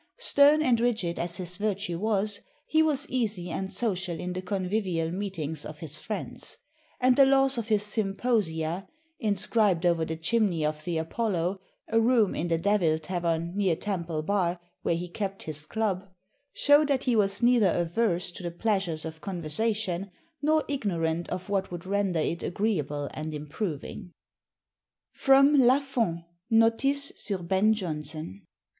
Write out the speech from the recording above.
Stern and rigid as his virtue was, he was easy and social in the convivial meetings of his friends; and the laws of his Symposia, inscribed over the chimney of the Apollo, a room in the Devil Tavern, near Temple Bar, where he kept his club, show that he was neither averse to the pleasures of conversation, nor ignorant of what would render it agreeable and improving." [Sidenote: Lafond, Notice sur Ben Jonson.